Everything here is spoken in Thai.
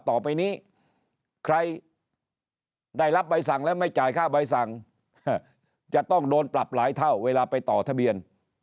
ต่อไปนี้ใครได้รับใบสั่งแล้วไม่จ่ายค่าใบสั่งจะต้องโดนปรับหลายเท่าเวลาไปต่อทะเบียน